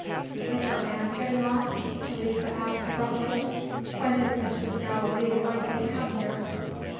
"Is her aunt getting on?" Teresa asked abruptly. "When is Mistress Gallilee likely to come here?"